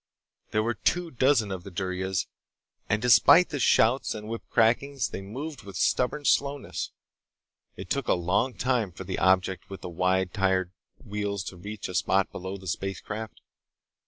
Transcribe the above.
There were two dozen of the duryas, and despite the shouts and whip crackings they moved with a stubborn slowness. It took a long time for the object with the wide tired wheels to reach a spot below the spacecraft.